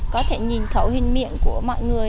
có thể nhìn khẩu hình miệng của mọi người